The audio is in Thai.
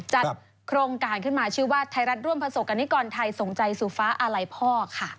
จัดโครงการขึ้นมาชื่อว่าไทยรัฐร่วมประสบกรณิกรไทยส่งใจสู่ฟ้าอาลัยพ่อค่ะ